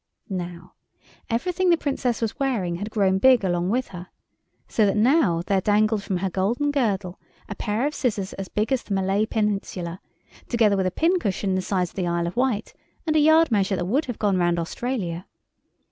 Now, everything the Princess was wearing had grown big along with her, so that now there dangled from her golden girdle a pair of scissors as big as the Malay Peninsula, together with a pin cushion the size of the Isle of Wight, and a yard measure that would have gone round Australia.